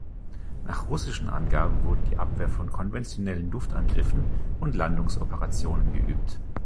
Nach russischen Angaben wurden die Abwehr von konventionellen Luftangriffen und Landungsoperationen geübt.